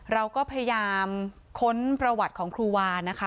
เราก็พยายามค้นประวัติของครูวานะคะ